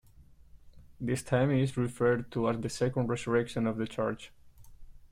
This time is referred to as the "second resurrection" of the church.